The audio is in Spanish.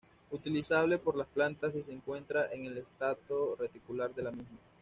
Utilizable por las plantas si se encuentra en el estrato reticular de la misma.